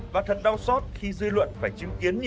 và thật đau xót khi dư luận phải chứng kiến nhiều nạn nhân